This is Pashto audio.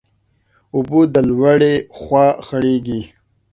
اوبه د لوړي خوا خړېږي.